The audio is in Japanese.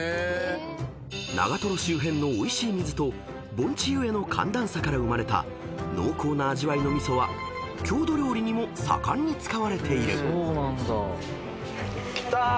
［長瀞周辺のおいしい水と盆地故の寒暖差から生まれた濃厚な味わいの味噌は郷土料理にも盛んに使われている］来た！